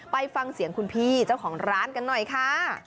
ไปฟังเสียงคุณพี่เจ้าของร้านกันหน่อยค่ะ